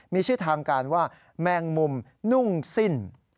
มีชื่อทางการว่าแมงมุมนุ่งสิ้น